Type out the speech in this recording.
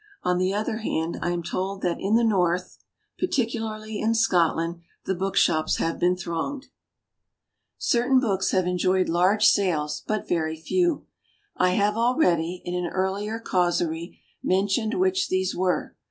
On the other hand, I am told that in the north, and particularly in Scotland, the book shops have been thronged. Certain books have enjoyed large sales, but very few. I have already, in an earlier causerie, mentioned which these were.